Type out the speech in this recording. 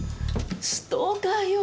ストーカーよ。